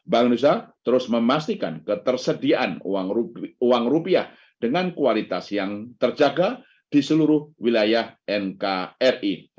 bank indonesia terus memastikan ketersediaan uang rupiah dengan kualitas yang terjaga di seluruh wilayah nkri